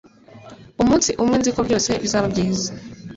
umunsi umwe nzi ko byose bizaba byiza